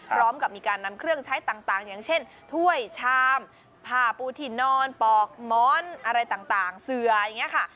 พร้อมกับมีการนำเครื่องใช้ต่างอย่างเช่นถ้วยชามผ้าปูที่นอนปอกม้อนอะไรต่างเสืออย่างนี้ค่ะ